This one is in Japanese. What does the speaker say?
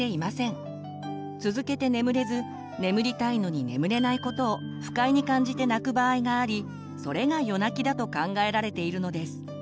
続けて眠れず眠りたいのに眠れないことを不快に感じて泣く場合がありそれが夜泣きだと考えられているのです。